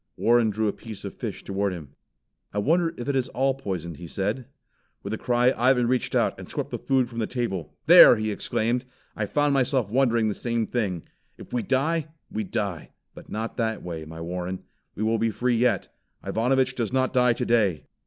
Warren drew a piece of fish toward him. "I wonder if it is all poisoned," he said. With a cry Ivan reached out and swept the food from the table. "There!" he exclaimed, "I found myself wondering the same thing. If we die, we die but not that way, my Warren. We will be free yet. Ivanovich does not die today."